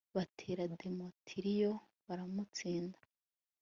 batera demetiriyo baramutsinda